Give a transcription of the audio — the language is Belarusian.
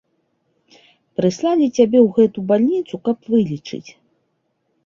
Прыслалі цябе ў гэту бальніцу, каб вылечыць.